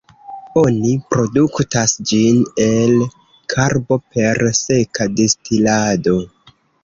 Oni produktas ĝin el karbo per seka distilado.